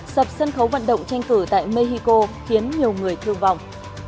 sập sân khấu vận động tranh cử tại mexico khiến nhiều người thương vong